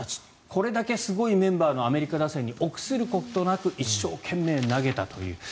これだけすごいメンバーのアメリカ打線に臆することなく一生懸命投げたという。